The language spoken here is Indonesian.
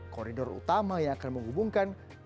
koridor utama yang akan menghubungkan